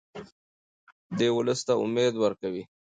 دی ولس ته امید ورکوي.